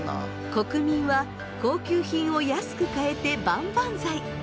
国民は高級品を安く買えて万々歳。